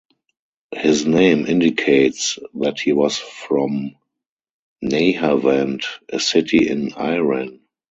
His name indicates that he was from Nahavand, a city in Iran.